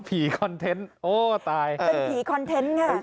คอนเทนต์โอ้ตายเป็นผีคอนเทนต์ค่ะ